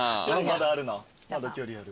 まだ距離ある。